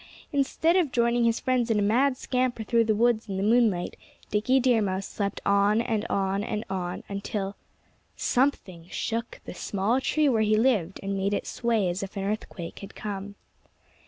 Instead of joining his friends in a mad scamper through the woods in the moonlight, Dickie Deer Mouse slept on and on and on, until something shook the small tree where he lived and made it sway as if an earthquake had come.